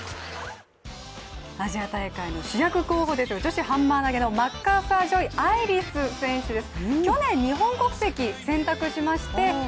アジア大会の主役候補です、ハンマー投げの主役候補、マッカーサー・ジョイ・アイリス選手です。